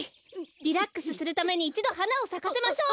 リラックスするためにいちどはなをさかせましょう。